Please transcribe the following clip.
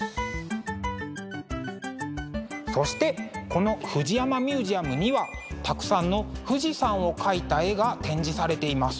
そしてこのフジヤマミュージアムにはたくさんの富士山を描いた絵が展示されています。